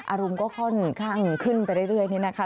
อารมณ์ก็ค่อนข้างขึ้นไปเรื่อยนี่นะคะ